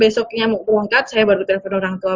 besoknya mau berangkat saya baru telepon orang tua